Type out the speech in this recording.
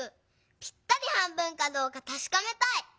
ぴったり半分かどうかたしかめたい！